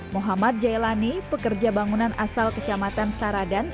muhammad jailani pekerja bangunan asal kecamatan saradan